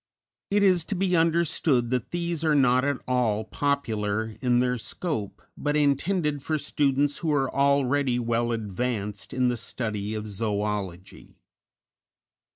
It is to be understood that these are not at all "popular" in their scope, but intended for students who are already well advanced in the study of zoölogy.